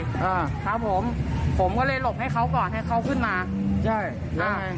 อ่าครับผมผมก็เลยหลบให้เขาก่อนให้เขาขึ้นมาใช่